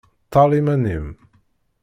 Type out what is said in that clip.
Ṭṭal iman-im.